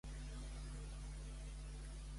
Experts, cossos policials i entitats socials.